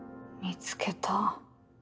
見つけた。